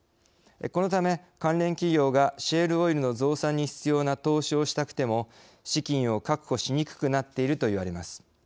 このため関連企業がシェールオイルの増産に必要な投資をしたくても資金を確保しにくくなっているといわれます。